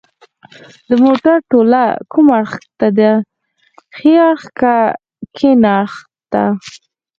د موټر توله کوم اړخ ته ده ښي اړخ که کیڼ اړخ ته